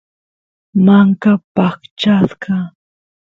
manka paqchasqa